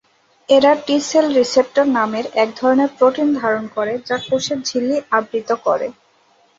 এরা T cell receptor নামের একধরনের প্রোটিন ধারণ করে যা কোষের ঝিল্লি আবৃত করে।